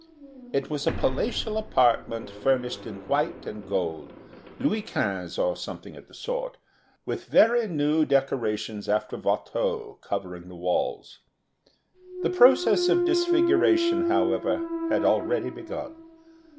It was a palatial apartment furnished in white and gold Louis Quinze, or something of the sort with very new decorations after Watteau covering the walls. The process of disfiguration, however, had already begun.